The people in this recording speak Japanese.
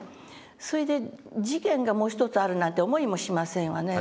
それで次元がもう一つあるなんて思いもしませんわね。